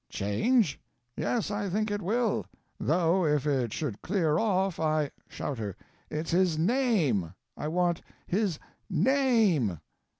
Change? Yes, I think it will. Though if it should clear off I Shouter. It's his NAME I want his NAME.